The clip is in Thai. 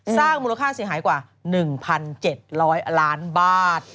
สร้างมูลค่าเสียหายกว่า๑๗๐๐ล้านบาท